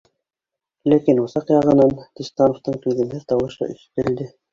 Ләкин усаҡ яғынан Диста- новтың түҙемһеҙ тауышы ишетелде: